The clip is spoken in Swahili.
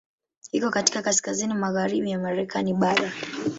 Iko katika kaskazini magharibi ya Marekani bara.